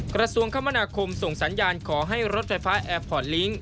กระทรวงคมนาคมส่งสัญญาณขอให้รถไฟฟ้าแอร์พอร์ตลิงค์